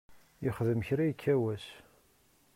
Yexdem kra yekka wass.